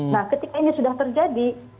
nah ketika ini sudah terjadi